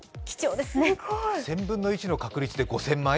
１０００分の１の確率で５０００枚？